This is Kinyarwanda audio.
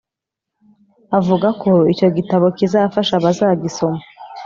avuga ko icyo gitabo kizafasha abazagisoma